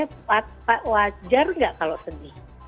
apakah itu wajar jika saya sedih